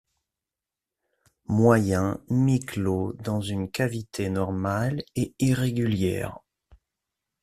Moyen, mi clos, dans une cavité normale et irrégulière.